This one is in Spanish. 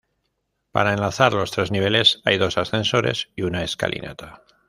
Para enlazar los tres niveles hay dos ascensores y una escalinata.